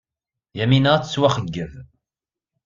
Yamina ad tettwaxeyyeb.